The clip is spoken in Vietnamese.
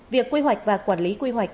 việc quy hoạch và quản lý quy hoạch